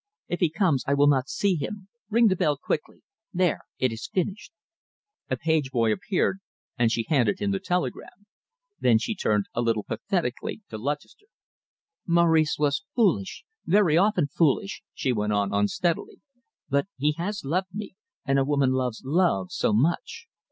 If he comes, I will not see him. Ring the bell quickly. There it is finished!" A page boy appeared, and she handed him the telegram. Then she turned a little pathetically to Lutchester. "Maurice was foolish very often foolish," she went on unsteadily, "but he has loved me, and a woman loves love so much.